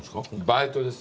バイトで。